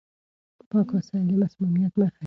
پاک وسايل د مسموميت مخه نيسي.